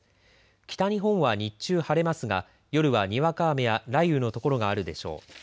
北日本は日中晴れますが夜はにわか雨や雷雨のところがあるでしょう。